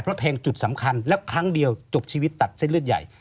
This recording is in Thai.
เพราะแทงจุดสำคัญแล้วครั้งเดียวจบชีวิตตัดเส้นเลือดใหญ่